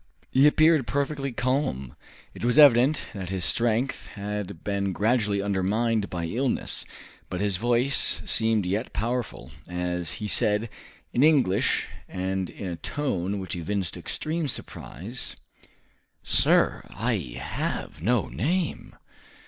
He appeared perfectly calm. It was evident that his strength had been gradually undermined by illness, but his voice seemed yet powerful, as he said in English, and in a tone which evinced extreme surprise, "Sir, I have no name."